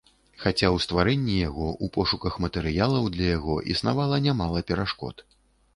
Хаця ў стварэнні яго, у пошуках матэрыялаў для яго, існавала нямала перашкод.